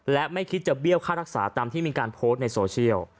และไม่คิดจะเบี้ยวค่ารักษาตามที่มีการโพสต์ในโซเชียล